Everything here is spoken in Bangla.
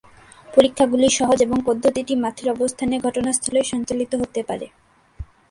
পরীক্ষাগুলি সহজ এবং পদ্ধতিটি মাঠের অবস্থানে ঘটনাস্থলে সঞ্চালিত হতে পারে।